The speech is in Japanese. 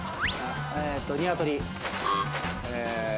ニワトリ。